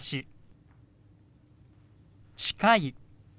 「近い」。